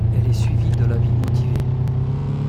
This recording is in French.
Elle est suivie de l'avis motivé.